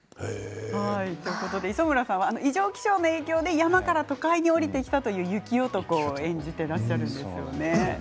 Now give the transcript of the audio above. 磯村さんは異常気象の影響で山から都会へ下りてきた雪男を演じていらっしゃるんですよね。